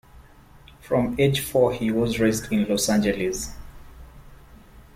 From age four he was raised in Los Angeles.